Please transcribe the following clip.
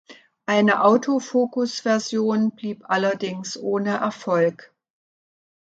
Eine Auto-Fokus-Version blieb allerdings ohne Erfolg.